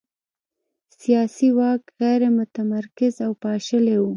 سیاسي واک غیر متمرکز او پاشلی و.